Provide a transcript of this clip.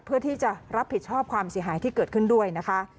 เพื่อที่จะรับผิดชอบความเสียหายที่เกิดขึ้นด้วยนะคะ